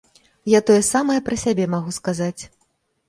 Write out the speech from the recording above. Я тое самае пра сябе магу сказаць.